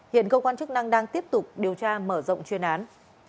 hiện cơ quan chức năng đang tiếp tục điều tra mở rộng chuyên án